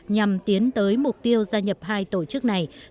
nhằm tiến tới mục tiêu gia nhập hai tổ chức này